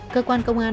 cơ quan công an